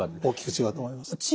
大きく違うと思います。